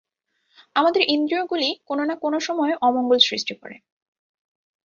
আমাদের ইন্দ্রিয়গুলি কোন-না-কোন সময়ে অমঙ্গল সৃষ্টি করে।